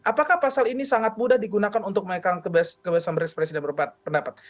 apakah pasal ini sangat mudah digunakan untuk mengembangkan kebiasaan berespresi dan pendapat